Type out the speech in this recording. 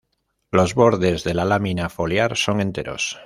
Los bordes de la lámina foliar son enteros.